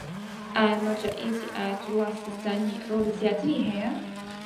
ئایا مەرجەعیەتی ئایەتوڵا سیستانی ڕۆڵی زیاتری هەیە؟